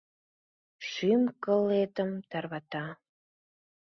Шӱм-кылетым тарвата.